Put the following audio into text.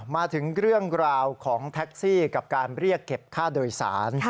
มาถึงเรื่องราวของแท็กซี่กับการเรียกเก็บค่าโดยสาร